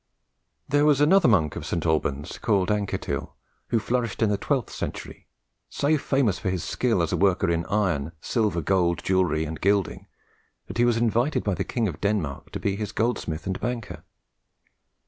There was another monk of St. Alban's, called Anketil, who flourished in the twelfth century, so famous for his skill as a worker in iron, silver, gold, jewelry, and gilding, that he was invited by the king of Denmark to be his goldsmith and banker.